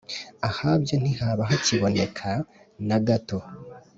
ahabyo ntihaba hakiboneka na gato